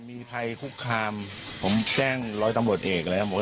มีภัยคุกคามผมแจ้งร้อยตำลวดเอกอะไรแหละ